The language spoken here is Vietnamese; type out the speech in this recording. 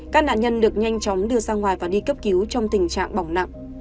các nạn nhân được nhanh chóng đưa ra ngoài và đi cấp cứu trong tình trạng bỏng nặng